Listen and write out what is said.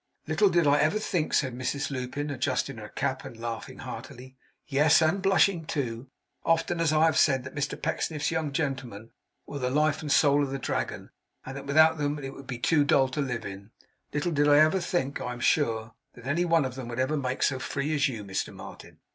'Little did I ever think,' said Mrs Lupin, adjusting her cap and laughing heartily; yes, and blushing too; 'often as I have said that Mr Pecksniff's young gentlemen were the life and soul of the Dragon, and that without them it would be too dull to live in little did I ever think I am sure, that any one of them would ever make so free as you, Mr Martin!